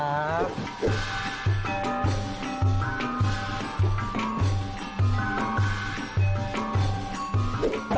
นะคับ